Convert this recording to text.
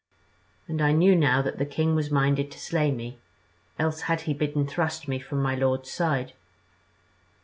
"And I knew now that the king was minded to slay me, else had he bidden thrust me from my lord's side.